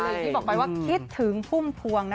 อย่างที่บอกไปว่าคิดถึงพุ่มพวงนะ